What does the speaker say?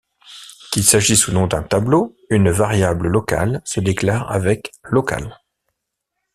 Qu'il s'agisse ou non d'un tableau, une variable locale se déclare avec local.